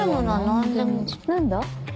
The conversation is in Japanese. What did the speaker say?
なんだ？